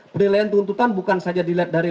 penilaian tuntutan bukan saja dilihat dari